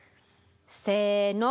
せの！